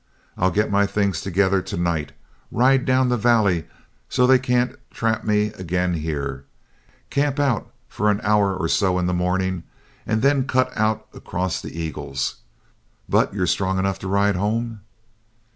I'll get my things together to night, ride down the valley so they can't trap me again here, camp out for an hour or so in the morning, and then cut out across the Eagles. But you're strong enough to ride home?"